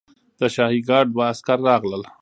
د شاهي ګارډ دوه عسکر راغلل.